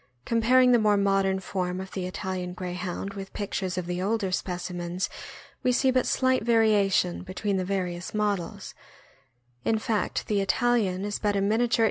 Comparing the more modern form of the Italian Greyhound with pictures of the older specimens, we see but slight variation between the various models; in fact, the Italian is but a miniature (629) 630 THE AMERICAN BOOK OF THE DOG.